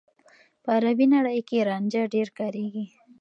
په عربي نړۍ کې رانجه ډېر کارېږي.